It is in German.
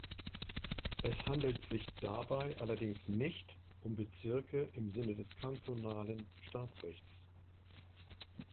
Es handelt sich dabei allerdings nicht um Bezirke im Sinne des kantonalen Staatsrechts.